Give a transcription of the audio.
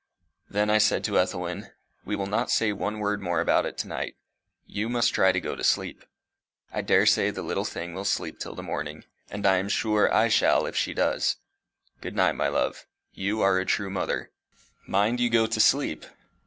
Then I said to Ethelwyn, "We will not say one word more about it tonight. You must try to go to sleep. I daresay the little thing will sleep till the morning, and I am sure I shall if she does. Good night, my love. You are a true mother. Mind you go to sleep."